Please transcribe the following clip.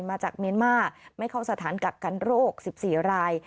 มาจากเมียนมาร์ไม่เข้าสถานกักกันโรค๑๔ราย